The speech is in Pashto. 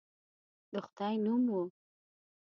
د خدای نوم وو.